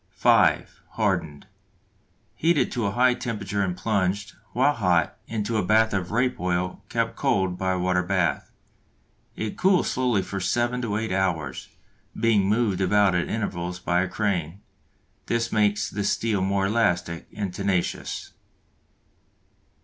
(5) Hardened. Heated to a high temperature and plunged, while hot, into a bath of rape oil kept cold by a water bath. It cools slowly for seven to eight hours, being moved about at intervals by a crane. This makes the steel more elastic and tenacious.